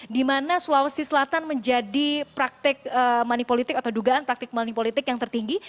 dimana sulawesi selatan menjadi praktik manipolitik atau dugaan praktik manipolitik yang tertinggi